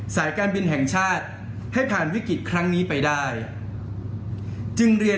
สายการบินแห่งชาติให้ผ่านวิกฤตครั้งนี้ไปได้จึงเรียน